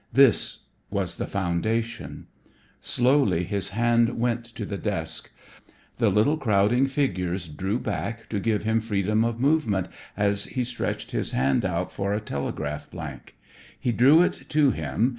This was the foundation. Slowly his hand went to the desk. The little crowding figures drew back to give him freedom of movement as he stretched his hand out for a telegraph blank. He drew it to him.